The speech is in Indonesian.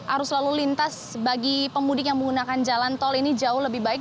arus lalu lintas bagi pemudik yang menggunakan jalan tol ini jauh lebih baik